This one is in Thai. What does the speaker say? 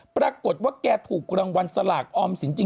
ปรากฏว่าแกถูกรังวัลสลากออมศิลป์